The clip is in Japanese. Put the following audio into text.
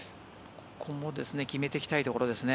これも決めてきたいところですね。